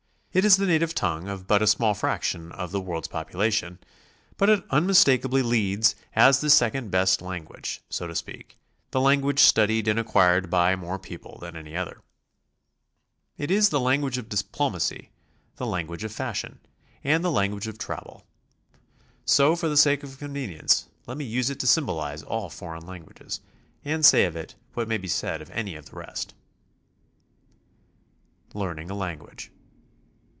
It is the native tongue of but a sni'all fraction of the world's population, but it unmistakably leads as the second best language, so to speak, the language studied and acquired by more people than any other. It is the language of diplomacy, the language of fashion, 238 ' SOMFAYHAT LITERARY. 239 and the language of travel. So for the sake of convenience, let me us'e it to symbolize all foreign languages, and say of it what may be said of any of the rest. LEARNING A LANGUAGE.